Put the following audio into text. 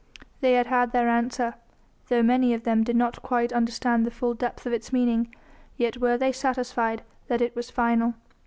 They had had their answer. Though many of them did not quite understand the full depth of its meaning, yet were they satisfied that it was final.